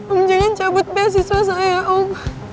om jangan cabut beasiswa saya om